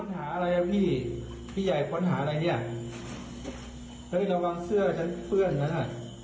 หาอะไรครับพี่เอาอีกแล้วเอาอีกแล้วเคยมา